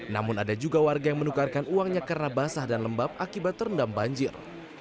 namun ada juga warga yang menukarkan uangnya karena basah dan lembab akibat terendam banjir